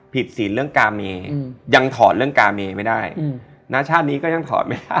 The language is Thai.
ศีลเรื่องกาเมยังถอดเรื่องกาเมไม่ได้ณชาตินี้ก็ยังถอดไม่ได้